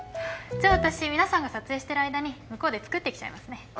じゃあ私皆さんが撮影してる間に向こうで作ってきちゃいますね。